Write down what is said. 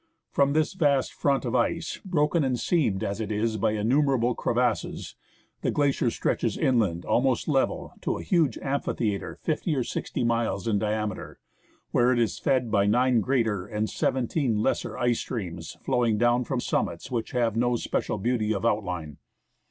From this vast front of ice, broken and seamed as it is by innumerable crevasses, the glacier stretches inland almost level, to a huge amphitheatre fifty or sixty miles in diameter, where it is fed by nine greater and seventeen lesser ice streams flowinor down from summits which have no special beauty of outline.